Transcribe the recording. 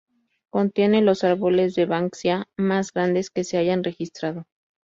Contiene los árboles de "banksia" más grandes que se hayan registrado.